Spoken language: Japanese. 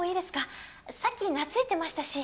さっき懐いてましたし。